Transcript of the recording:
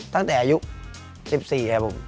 ตั้งแต่อายุ๑๔ครับผม